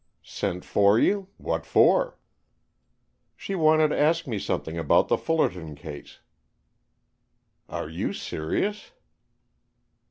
"Sent for you? What for?" "She wanted to ask me something about the Fullerton case." "Are you serious?"